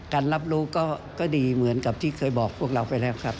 รับรู้ก็ดีเหมือนกับที่เคยบอกพวกเราไปแล้วครับ